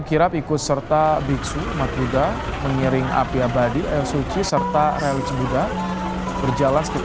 kirab ikut serta biksu mati udah mengiring api abadi suci serta rezeki udah berjalan sekitar lima km